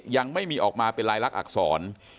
ยังไม่มีออกมาเป็นลายลักษร